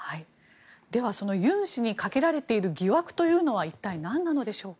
では、そのユン氏にかけられている疑惑は一体なんなのでしょうか。